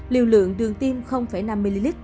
liều lượng đường tiêm năm ml